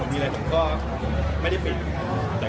แต่ไม่น่าเป็นตีการ